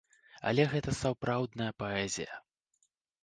Але гэта сапраўдная паэзія.